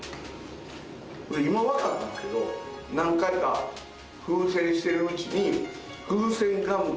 これ今わかったんですけど何回か風船してるうちに。